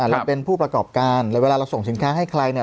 เราเป็นผู้ประกอบการเวลาเราส่งสินค้าให้ใครเนี่ย